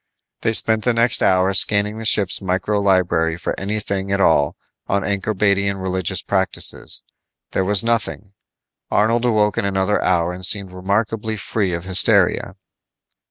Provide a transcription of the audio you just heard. They spent the next hour scanning the ship's micro library for anything at all on Ankorbadian religious practices. There was nothing. Arnold awoke in another hour and seemed remarkably free of hysteria.